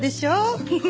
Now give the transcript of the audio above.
フフフ。